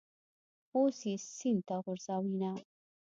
اوس یې سین ته غورځوینه.